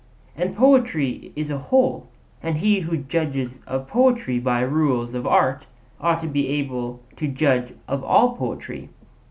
And poetry is a whole; and he who judges of poetry by rules of art ought to be able to judge of all poetry.'